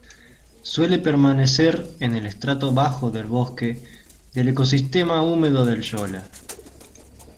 Suele permanecer en el estrato bajo del bosque del ecosistema húmedo del shola.